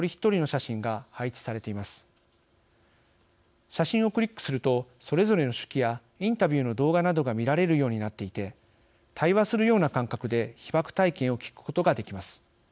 写真をクリックするとそれぞれの手記やインタビューの動画などが見られるようになっていて対話するような感覚で被爆体験を聞くことができます。